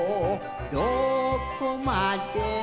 どこまでも」